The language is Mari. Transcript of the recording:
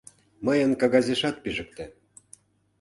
Мыйын кагазешат пижыкте...